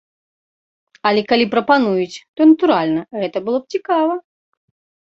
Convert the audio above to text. Але калі прапануюць, то, натуральна, гэта было б цікава.